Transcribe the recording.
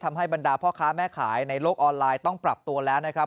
บรรดาพ่อค้าแม่ขายในโลกออนไลน์ต้องปรับตัวแล้วนะครับ